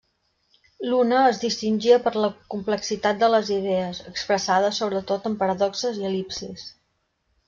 L'una es distingia per la complexitat de les idees, expressada sobretot en paradoxes i el·lipsis.